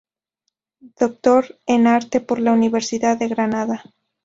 Doctor en arte por la Universidad de Granada.